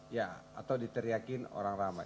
ya atau diteriakin orang ramai